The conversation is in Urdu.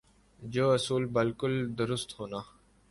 جو اصولا بالکل درست ہونا ۔